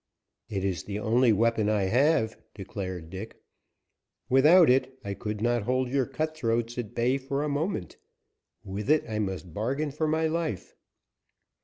"It is the only weapon I have," declared Dick. "Without it, I could not hold your cutthroats at bay for a moment. With it I must bargain for my life."